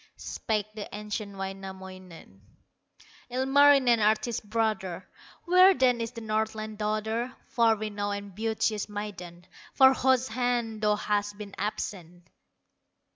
Spake the ancient Wainamoinen: "Ilmarinen, artist brother, Where then is the Northland daughter, Far renowned and beauteous maiden, For whose hand thou hast been absent?"